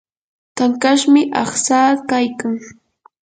tankashmi aqtsaa kaykan.